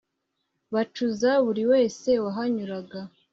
bacuza buri wese wahanyuraga